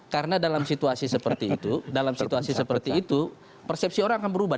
karena dalam situasi seperti itu dalam situasi seperti itu persepsi orang akan berubah